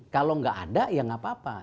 kalau nggak ada ya nggak apa apa